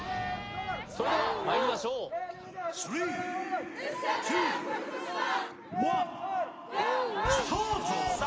それではまいりましょうさあ